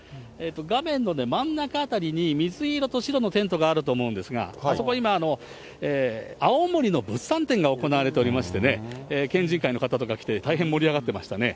画面の真ん中あたりに、水色と白のテントがあると思うんですが、あそこは今、青森の物産展が行われておりましてね、県人会の方とか、来て、大変盛り上がってましたね。